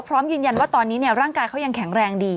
พร้อมยืนยันว่าตอนนี้ร่างกายเขายังแข็งแรงดี